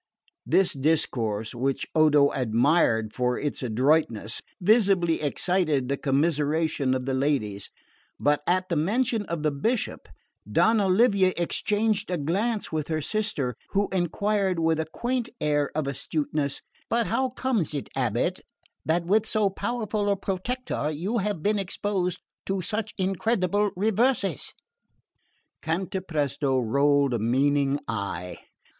This discourse, which Odo admired for its adroitness, visibly excited the commiseration of the ladies; but at mention of the Bishop, Donna Livia exchanged a glance with her sister, who enquired, with a quaint air of astuteness, "But how comes it, abate, that with so powerful a protector you have been exposed to such incredible reverses?" Cantapresto rolled a meaning eye.